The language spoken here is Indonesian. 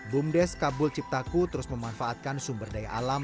bumdes kabul ciptaku terus memanfaatkan sumur bor